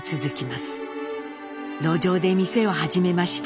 路上で店を始めました。